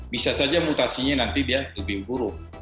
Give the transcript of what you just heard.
bisa saja mutasinya nanti dia lebih buruk